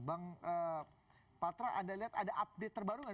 bang pak tra anda lihat ada update terbaru kan